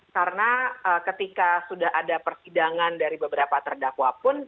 karena ketika sudah ada persidangan dari beberapa terdakwa pun